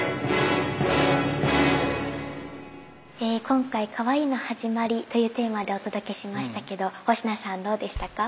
今回「かわいいの始まり」というテーマでお届けしましたけど星名さんどうでしたか？